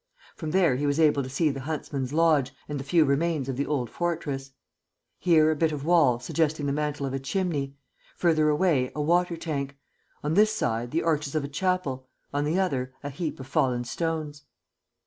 From there he was able to see the huntsman's lodge and the few remains of the old fortress: here, a bit of wall, suggesting the mantel of a chimney; further away, a water tank; on this side, the arches of a chapel; on the other, a heap of fallen stones.